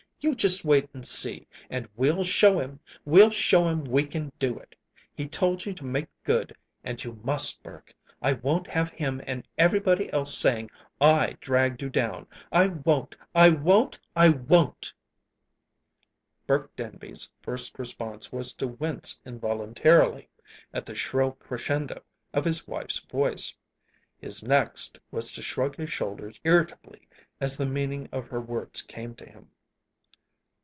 You just wait and see. And we'll show him. We'll show him we can do it! He told you to make good; and you must, Burke! I won't have him and everybody else saying I dragged you down. I won't! I won't! I WON'T!" Burke Denby's first response was to wince involuntarily at the shrill crescendo of his wife's voice. His next was to shrug his shoulders irritably as the meaning of her words came to him.